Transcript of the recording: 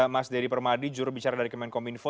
mas dedy permadi juru bicara dari kemenkominfo